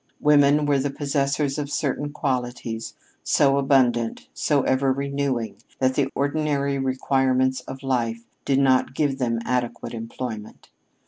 Women were the possessors of certain qualities so abundant, so ever renewing, that the ordinary requirements of life did not give them adequate employment.